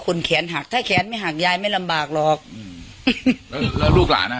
แขนหักถ้าแขนไม่หักยายไม่ลำบากหรอกอืมแล้วแล้วลูกหลานอ่ะ